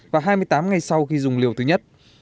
và hai mươi tám ngày sau khi dùng liều thứ nhất